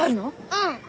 うん！